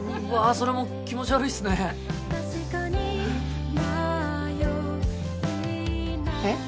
それも気持ち悪いっすねえっ？